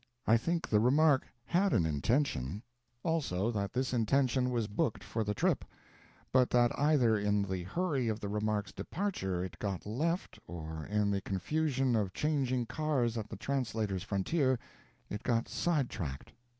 I think the remark had an intention; also that this intention was booked for the trip; but that either in the hurry of the remark's departure it got left, or in the confusion of changing cars at the translator's frontier it got side tracked.